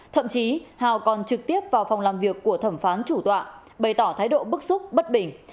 thậm chí hào còn trực tiếp vào phòng làm việc của thẩm phán chủ tọa bày tỏ thái độ bức xúc bất bình